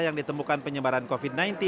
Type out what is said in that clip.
yang ditemukan penyebaran covid sembilan belas